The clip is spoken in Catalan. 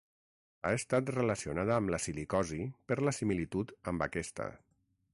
Ha estat relacionada amb la silicosi per la similitud amb aquesta.